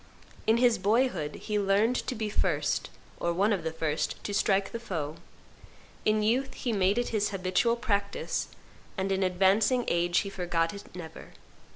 In his boyhood he learned to be first, or one of the first, to strike the foe; in youth he made it his habitual practice; and in advancing age he forgot it never.